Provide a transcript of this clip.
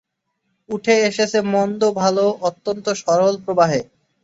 উঠে এসেছে মন্দ-ভালো অত্যন্ত সরল প্রবাহে।